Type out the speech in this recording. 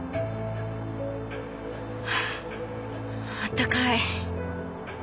あああったかい。